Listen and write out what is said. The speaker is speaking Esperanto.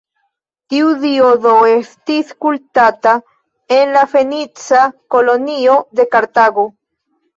Tiu dio do, estis kultata en la fenica kolonio de Kartago.